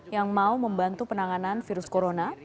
yang mau membantu penanganan virus corona